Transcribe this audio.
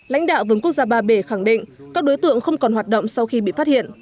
lãnh đạo vườn quốc gia ba bể khẳng định các đối tượng không còn hoạt động sau khi bị phát hiện